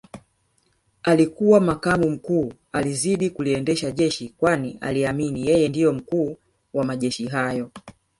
Alikuwa makamu mkuu alizidi kuliendesha jeshi kwani aliamini yeye ndio mkuu wa majeshi hayo